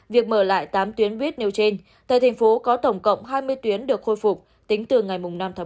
việc mở lại tám tuyến buýt nêu trên tại tp hcm có tổng cộng hai mươi tuyến được khôi phục tính từ ngày năm một mươi